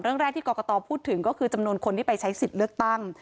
เรื่องแรกที่กรกตพูดถึงก็คือจำนวนคนที่ไปใช้สิทธิ์เลือกตั้ง